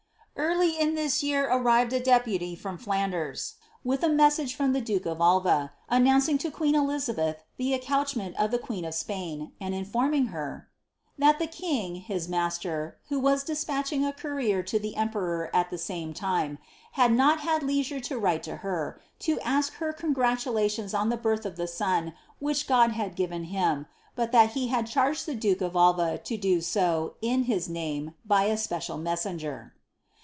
Etrly in this year arrived a deputy from Flanders, with a message from the Duke of Alva, announcing to queen Elizabeth the accouche aent of the queen of Spain, and informing her, ^^ that the king, his mas ter, who was despatching a courier to the emperor at the same time, had not had leisure to write to her, to ask her congratulations on the birth of the son which God had given him, but that he had charged the Duke of Alva to do so, in his name, by a special messenger.''